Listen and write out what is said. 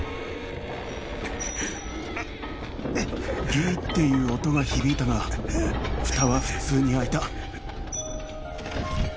「ギーっていう音が響いたが蓋は普通に開いた」